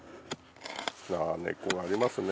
根っこがありますね。